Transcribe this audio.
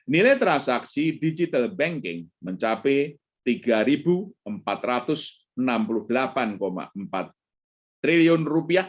nilai transaksi digital banking mencapai rp tiga empat ratus enam puluh delapan empat triliun